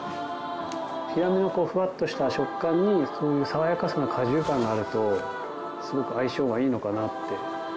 ヒラメのこうフワッとした食感にそういう爽やかさの果汁感があるとすごく相性がいいのかなって。